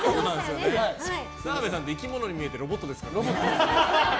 澤部さんって生き物に見えてロボットですから。